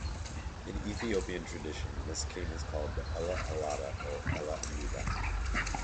In Ethiopian tradition, this king is called Ella Allada or Ella Amida.